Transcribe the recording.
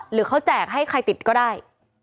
หรือเขาแจกให้ใครติดก็ได้